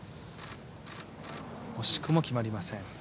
惜しくも決まりません。